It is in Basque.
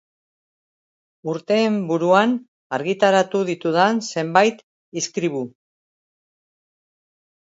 Urteen buruan argitaratu ditudan zenbait izkribu.